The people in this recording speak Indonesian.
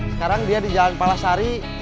sekarang dia di jalan palasari